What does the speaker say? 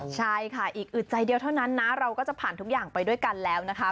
ใช่ค่ะอีกอึดใจเดียวเท่านั้นนะเราก็จะผ่านทุกอย่างไปด้วยกันแล้วนะคะ